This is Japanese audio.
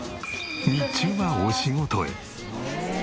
日中はお仕事へ。